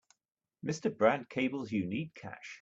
Mr. Brad cables you need cash.